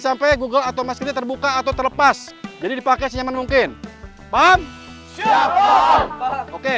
sampai google atau masker terbuka atau terlepas jadi dipakai senyaman mungkin paham siapa oke